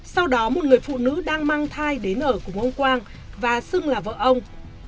sau đó một người phụ nữ đang mang thai đến ở cùng ông quang và xưng là vợ ông